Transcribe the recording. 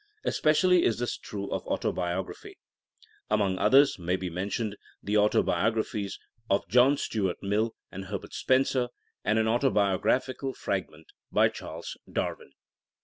Especially is this true of autobiog raphy. Among others may be mentioned the autobiographies of John Stuart Mill and Her bert Spencer, and an autobiographical fragment by Charles Darwin.